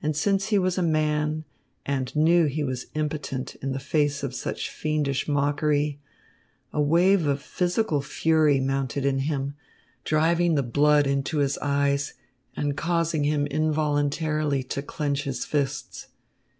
And since he was a man and knew he was impotent in the face of such fiendish mockery, a wave of physical fury mounted in him, driving the blood into his eyes and causing him involuntarily to clench his fists.